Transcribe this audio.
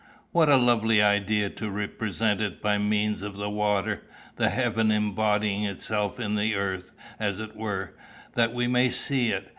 What a lovely idea to represent it by means of the water, the heaven embodying itself in the earth, as it were, that we may see it!